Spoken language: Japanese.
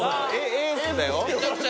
エースだよ。